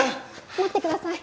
待ってください。